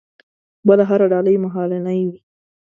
بله هره ډالۍ مهالنۍ وي.